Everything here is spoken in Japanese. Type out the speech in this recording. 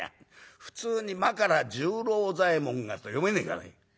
普通に『真柄十郎左衛門が』と読めねえかね」。